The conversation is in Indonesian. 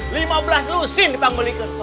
lima belas lusin di pangguli gensok